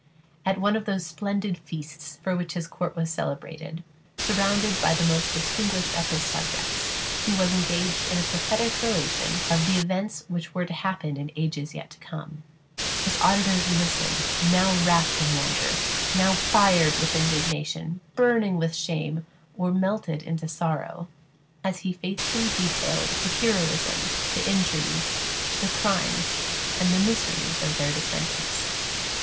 At one of those splendid feasts for which his court was celebrated, surrounded by the most distinguished of his subjects, he was engaged in a prophetic relation of the events which were to happen in ages yet to come. His auditors listened, now wrapt in wonder, now fired with indignation, burning with shame, or melted into sorrow, as he faithfully detailed the heroism, the injuries, the crimes, and the miseries of their descendants.